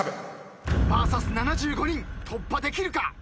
ＶＳ７５人突破できるか？